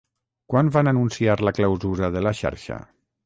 Quan van anunciar la clausura de la xarxa?